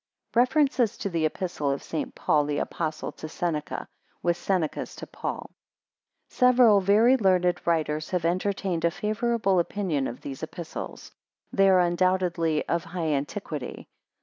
REFERENCES TO THE EPISTLES OF ST. PAUL THE APOSTLE TO SENECA, WITH SENECA'S TO PAUL. [Several very learned writers have entertained a favourable opinion of these Epistles. They are undoubtedly of high antiquity.